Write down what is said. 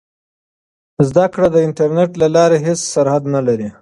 زده کړه د انټرنیټ له لارې هېڅ سرحد نه لري.